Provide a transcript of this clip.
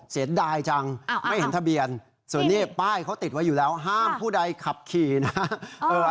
เสียดายจังไม่เห็นทะเบียนส่วนนี้ป้ายเขาติดไว้อยู่แล้วห้ามผู้ใดขับขี่นะฮะ